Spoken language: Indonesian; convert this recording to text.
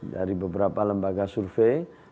dari beberapa lembaga survei